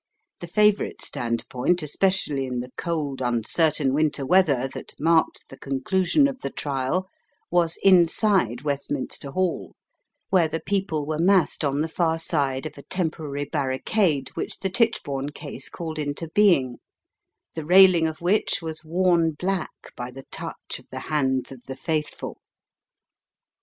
The favourite standpoint, especially in the cold, uncertain winter weather that marked the conclusion of the trial, was inside Westminster Hall, where the people were massed on the far side of a temporary barricade which the Tichborne case called into being, the railing of which was worn black by the touch of the hands of the faithful.